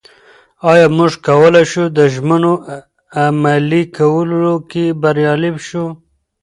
ایا موږ کولای شو د ژمنو عملي کولو کې بریالي شو؟